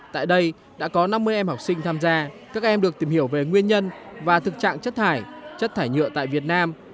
tại đây đã có năm mươi em học sinh tham gia các em được tìm hiểu về nguyên nhân và thực trạng chất thải chất thải nhựa tại việt nam